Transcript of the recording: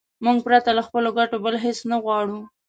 موږ پرته له خپلو ګټو بل هېڅ نه غواړو.